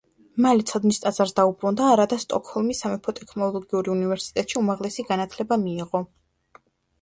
მალე ცოდნის ტაძარს დაუბრუნდა, რათა სტოკჰოლმის სამეფო ტექნოლოგიურ უნივერსიტეტში უმაღლესი განათლება მიეღო.